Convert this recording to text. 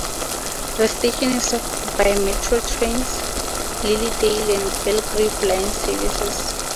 The station is served by Metro Trains' Lilydale and Belgrave line services.